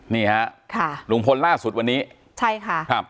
นี่ค่ะลุงพลล่าสุดวันนี้ใช่ค่ะ